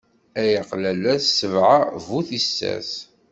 Ay aqlalas ssbeɛ bu tissas.